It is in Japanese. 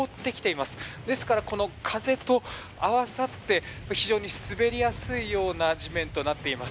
ですから、風と合わさって非常に滑りやすいような地面となっています。